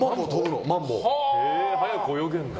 速く泳げるんだ。